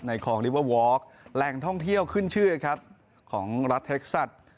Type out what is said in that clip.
ในคลองแรงท่องเที่ยวขึ้นชื่อครับของรัฐเท็กซัตริย์